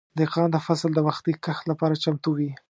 دهقان د فصل د وختي کښت لپاره چمتو وي.